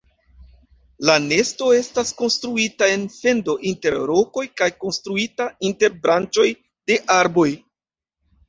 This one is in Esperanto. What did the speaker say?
La nesto estas konstruita en fendo inter rokoj aŭ konstruita inter branĉoj de arboj.